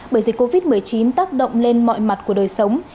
bởi dịch covid một mươi chín tác động lên mọi mặt của đời sống